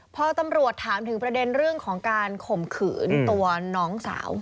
พอตำรวจถามถึงประเด็นเรื่องของการข่มขืนตัวน้องสาว